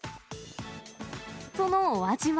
そのお味は？